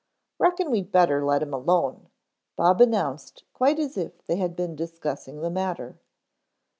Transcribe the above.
"Reckon we'd better let him alone," Bob announced quite as if they had been discussing the matter.